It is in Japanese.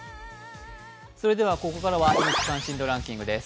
ここからは「ニュース関心度ランキング」です。